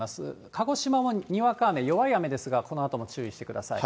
鹿児島もにわか雨、弱い雨ですが、このあとも注意してください。